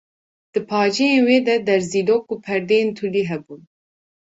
Di paceyên wê de derzîlok û perdeyên tûlî hebûn.